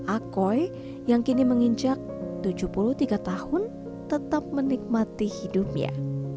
akoy yang kini menginjak tujuh puluh tiga tahun tetap menikmati hidupnya